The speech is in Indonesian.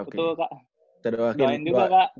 kita doakan juga kak